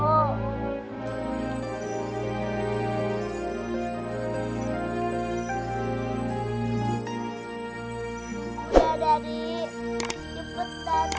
putri mohon ya allah